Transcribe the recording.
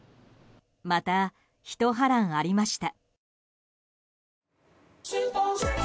またひと波乱ありました。